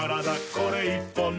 これ１本で」